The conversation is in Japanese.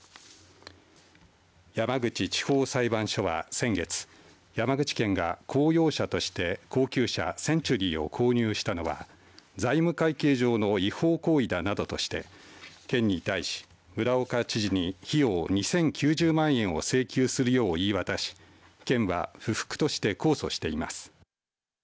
山口地方裁判所は先月山口県が公用車として高級車センチュリーを購入したのは財務会計上の違法行為だなどとして県に対し、村岡知事に費用２０９０万円を請求するよう言い渡し県は不服として控訴しています。